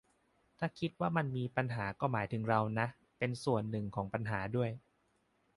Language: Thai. ถ้าคิดว่ามันมีปัญหาก็หมายถึงเราน่ะเป็นส่วนหนึ่งของปัญหาด้วย